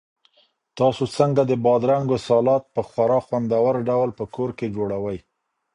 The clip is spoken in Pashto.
تاسو څنګه د بادرنګو سالاډ په خورا خوندور ډول په کور کې جوړوئ؟